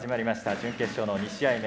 準決勝の２試合目。